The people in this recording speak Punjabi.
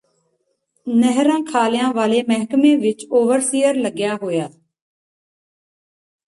ਨਹਿਰਾਂਖਾਲਿਆਂ ਵਾਲੇ ਮਹਿਕਮੇ ਵਿਚ ਓਵਰਸੀਅਰ ਲੱਗਿਆ ਹੋਇਆ